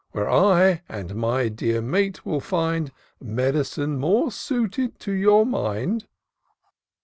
Where I and my dear mate will find Med'cine more suited to your mind.